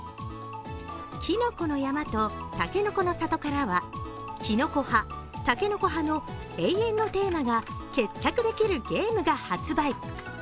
きのこの山とたけのこの里からはきのこ派、たけのこ派の永遠のテーマが決着できるゲームが発売。